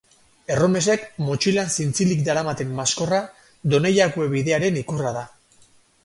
Erromesek motxilan zintzilik daramaten maskorra Donejakue bidearen ikurra da.